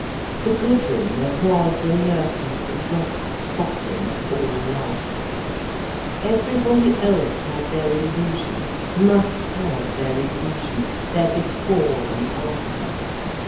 To Gudrun, there was in Loerke the rock bottom of all life. Everybody else had their illusion, must have their illusion, their before and after.